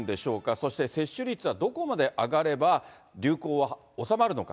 そして、接種率はどこまで上がれば、流行は収まるのか。